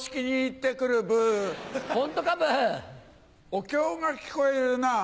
お経が聞こえるな。